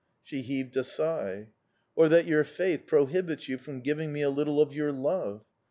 "She heaved a sigh. "'Or that your faith prohibits you from giving me a little of your love?